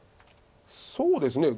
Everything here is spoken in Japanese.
そうですね。